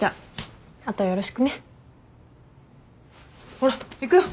ほら行くよ。